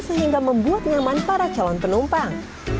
sehingga membuat nyaman para calon penumpang